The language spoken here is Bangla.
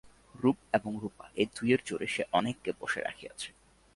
রূপ এবং রুপা এই দুয়ের জোরে সে অনেককে বশে রাখিয়াছে।